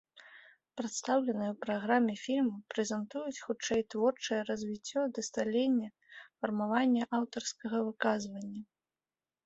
Прадстаўленыя ў праграме фільмы прэзентуюць хутчэй творчае развіццё ды сталенне, фармаванне аўтарскага выказвання.